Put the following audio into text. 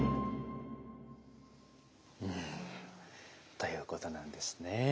ということなんですね。